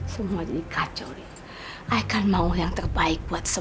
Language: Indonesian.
sekarang seneng lagi